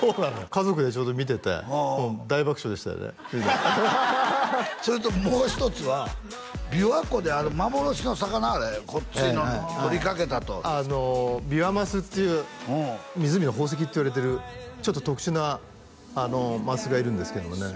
家族でちょうど見ててもう大爆笑でしたねそれともう一つは琵琶湖で幻の魚あれごっついのとりかけたとビワマスっていう湖の宝石っていわれてるちょっと特殊なマスがいるんですけどもね